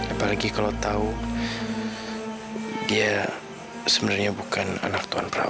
apalagi kalau tahu dia sebenarnya bukan anak tuhan prabu